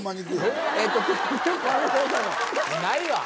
ないわ！